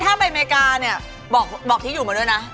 ถ้าไปอเมริกาเนี่ยบอกที่อยู่มาด้วยนะ